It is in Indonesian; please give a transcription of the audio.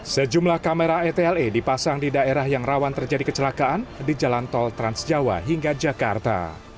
sejumlah kamera etle dipasang di daerah yang rawan terjadi kecelakaan di jalan tol transjawa hingga jakarta